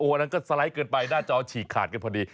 อันนั้นก็สไลด์เกินไปหน้าจอฉีกขาดกันพอดี